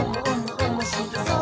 おもしろそう！」